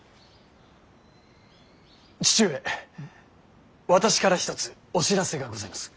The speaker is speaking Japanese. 義父上私から一つお知らせがございます。